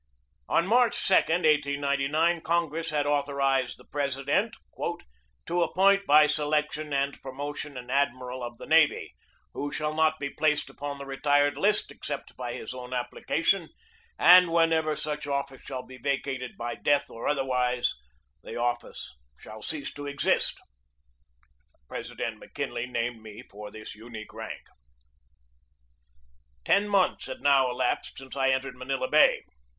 On March 2, 1899, Congress had authorized the President "to appoint by selection and promotion an admiral of the navy, who shall not be placed upon the retired list except by his own application; and whenever such office shall be vacated by death or otherwise the office shall cease to exist." President McKinley named me for this unique rank. Ten months had now elapsed since I entered Manila Bay.